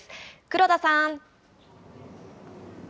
黒田さん。